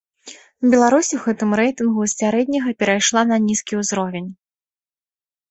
Беларусь у гэтым рэйтынгу з сярэдняга перайшла на нізкі ўзровень.